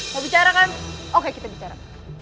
mau bicara kan oke kita bicara